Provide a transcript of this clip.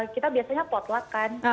kita biasanya potlat kan